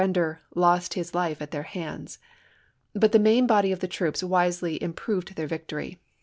render, lost his life at their hands. But the main body of the troops wisely improved their victory.